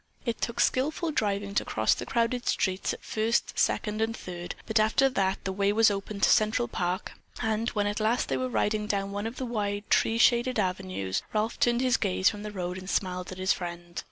It took skillful driving to cross the crowded streets at First, Second and Third, but after that the way was open to Central Park and, when at last they were riding down one of the wide, tree shaded avenues, Ralph turned his gaze from the road and smiled at his friend.